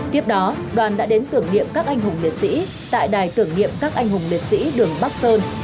tiếp đó đoàn đã đến tưởng niệm các anh hùng liệt sĩ tại đài tưởng niệm các anh hùng liệt sĩ đường bắc sơn